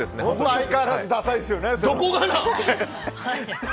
相変わらずダサいですね。